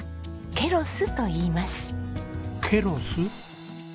ケロス？